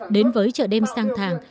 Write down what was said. đến với chợ đêm sang thàng